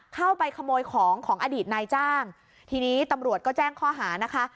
เข้าไปขโมยของของอดีตนายจ้างทีนี้ตำรวจก็แจ้งข้อหานะคะ